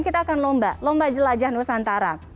kita akan lomba lomba jelajah nusantara